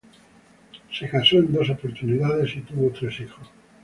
Se casó en dos oportunidades y tuvo tres hijos.